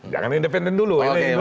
jangan independen dulu